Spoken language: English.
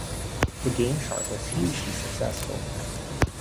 The GameShark was hugely successful.